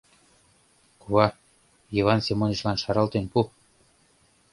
Кува, Йыван Семонычлан шаралтен пу.